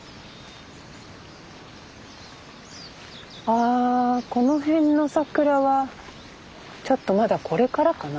ああこの辺の桜はちょっとまだこれからかな？